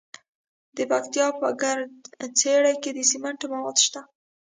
د پکتیا په ګرده څیړۍ کې د سمنټو مواد شته.